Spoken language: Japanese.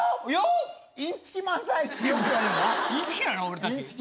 俺たち。